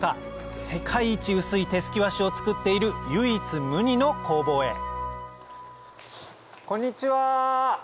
世界一薄い手漉き和紙を作っている唯一無二の工房へこんにちは！